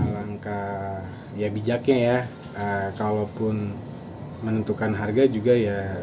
langkah ya bijaknya ya kalaupun menentukan harga juga ya